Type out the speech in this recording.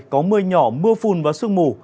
có mưa nhỏ mưa phun và sương mù